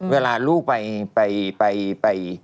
เวลาลูกไป